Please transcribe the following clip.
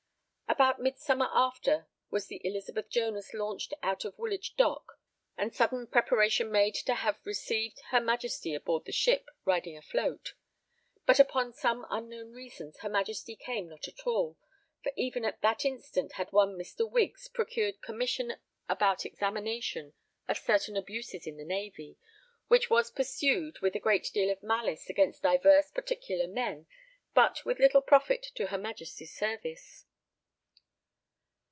About midsummer after, was the Elizabeth Jonas launched out of Woolwich Dock, and sudden preparation made to have received her Majesty aboard the ship riding afloat; but upon some unknown reasons her Majesty came not at all, for even at that instant had one Mr. Wiggs procured commission about examination of certain abuses in the Navy, which was pursued with a great deal of malice against divers particular men but with little profit to her Majesty's service.